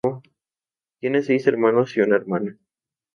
Tiene seis hermanos y una hermana.